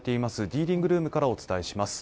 ディーリングルームからお伝えします